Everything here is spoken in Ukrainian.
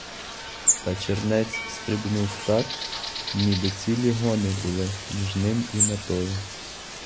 Та чернець стрибнув так, ніби цілі гони були між ним і метою.